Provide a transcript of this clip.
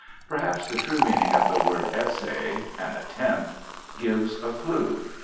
Perhaps the true meaning of the word essay an attempt gives a clue.